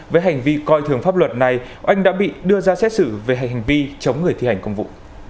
với hành vi coi thường pháp luật này oanh đã bị đưa ra xét xử về hành vi chống người thi hành công vụ